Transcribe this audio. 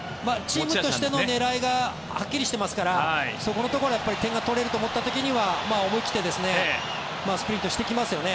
チームのとしての狙いがはっきりしていますからそこのところは点が取れると思った時には思い切ってスプリントをしてきますよね